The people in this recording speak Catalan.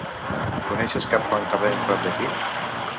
Coneixes cap bon terreny prop d'aquí.